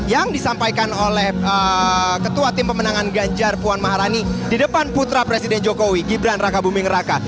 yang disampaikan oleh ketua tim pemenangan ganjar puan maharani di depan putra presiden jokowi gibran raka buming raka